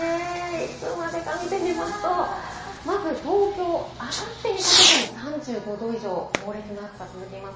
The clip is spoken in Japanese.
いつまでか見てみますと、まず東京、あさってにかけても３５度以上、猛烈な暑さは続きます。